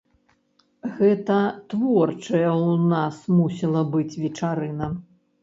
Гэта творчая ў нас мусіла быць вечарына.